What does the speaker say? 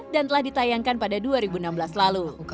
dan telah ditayangkan pada dua ribu enam belas lalu